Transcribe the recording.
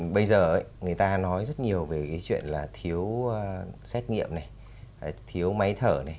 bây giờ người ta nói rất nhiều về cái chuyện là thiếu xét nghiệm này thiếu máy thở này